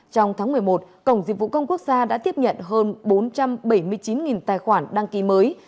trong tháng một mươi một cổng dịch vụ công quốc gia đã tiếp nhận hơn bốn trăm bảy mươi chín tài khoản đăng ký mới